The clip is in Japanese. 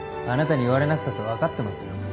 あなたに言われなくたって分かってますよ。